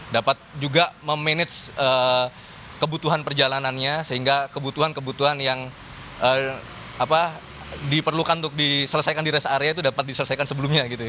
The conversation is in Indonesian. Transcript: dapat juga memanage kebutuhan perjalanannya sehingga kebutuhan kebutuhan yang diperlukan untuk diselesaikan di rest area itu dapat diselesaikan sebelumnya gitu ya